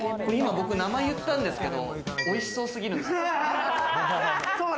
僕、名前言ったんですけど、おいしそうすぎるんですけど！